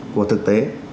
của thực tế